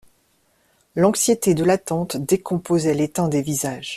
L'anxiété de l'attente décomposait les teints des visages.